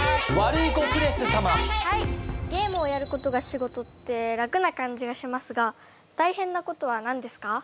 ゲームをやることが仕事って楽な感じがしますがたいへんなことは何ですか？